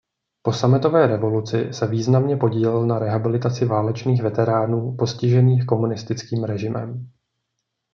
Po Sametové revoluci se významně podílel na rehabilitaci válečných veteránů postižených komunistickým režimem.